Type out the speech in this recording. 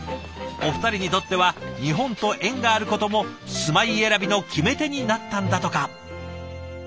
お二人にとっては日本と縁があることも住まい選びの決め手になったんだとか。